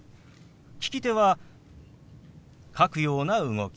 利き手は書くような動き。